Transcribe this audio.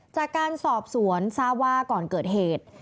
จากการสอบสวนทราบว่าก่อนเกิดเหตุ